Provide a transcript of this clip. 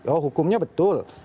oh hukumnya betul